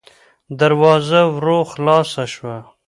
دروازه ورو خلاصه شوه.